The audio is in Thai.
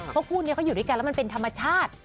เพราะคู่นี้เขาอยู่ด้วยกันแล้วมันเป็นธรรมชาติ